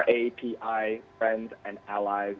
aapi kami teman teman kami dan